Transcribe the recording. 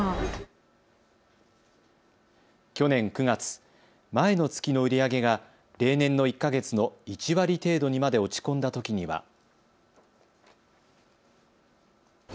去年９月、前の月の売り上げが例年の１か月の１割程度にまで落ち込んだときには。